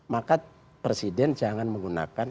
maka presiden jangan menggunakan